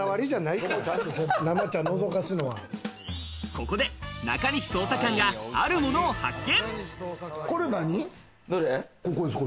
ここで中西捜査官があるものこれ何？